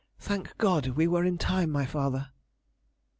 Thank God we were in time, my father!"